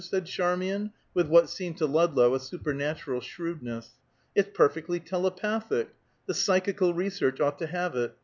said Charmian, with what seemed to Ludlow a supernatural shrewdness. "It's perfectly telepathic! The Psychical Research ought to have it.